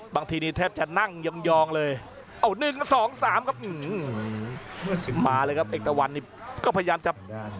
บางทีนี่แทบจะนั่งยองเลยเอา๑๒๓ครับมาเลยครับเอกตะวันนี่ก็พยายามจะ